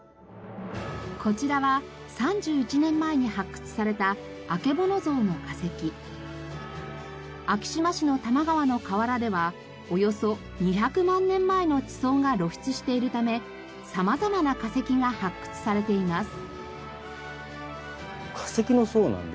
こちらは３１年前に発掘された昭島市の多摩川の河原ではおよそ２００万年前の地層が露出しているため様々な化石が発掘されています。